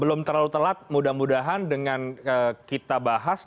belum terlalu telat mudah mudahan dengan kita bahas